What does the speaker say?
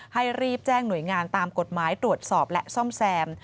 ให้รีบแจ้งหน่วยงานตามกฎหมายตรวจสอบและซ่อมแซม